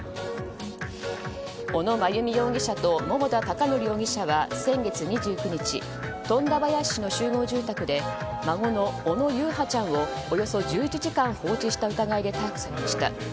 小野真由美容疑者と桃田貴徳容疑者は先月２９日富田林市の集合住宅で孫の小野優陽ちゃんをおよそ１１時間放置した疑いで逮捕されました。